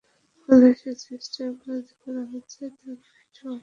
ফলে যে সিস্টেমে কাজ করা হচ্ছে তা ঘনিষ্ঠভাবে আটকে থাকে এবং একেবারে নড়াচড়া করতে পারে না।